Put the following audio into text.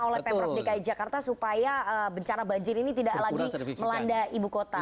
oleh pemprov dki jakarta supaya bencana banjir ini tidak lagi melanda ibu kota